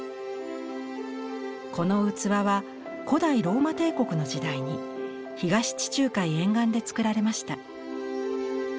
この器は古代ローマ帝国の時代に東地中海沿岸で作られました。